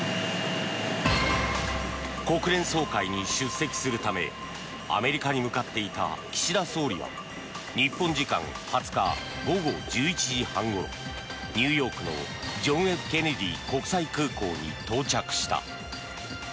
国連総会に出席するためアメリカに向かっていた岸田総理は日本時間２０日午後１１時半ごろニューヨークのジョン・Ｆ・ケネディ国際空港に到着した。